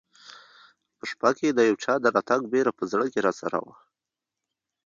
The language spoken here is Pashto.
په شپه کې د یو چا د راتګ بېره په زړه کې راسره وه.